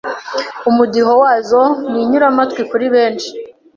Umudiho wazo ni inyuramatwi kuri benshi